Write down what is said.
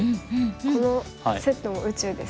このセットも宇宙ですしね。